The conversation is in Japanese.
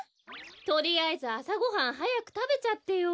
とりあえずあさごはんはやくたべちゃってよ。